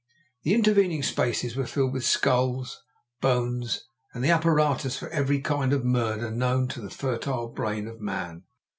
The intervening spaces were filled with skulls, bones, and the apparatus for every kind of murder known to the fertile brain of man.